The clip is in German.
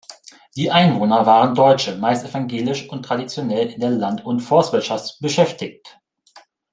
Die Einwohner waren Deutsche, meist evangelisch und traditionell in der Land- und Forstwirtschaft beschäftigt.